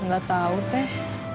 gak tau teh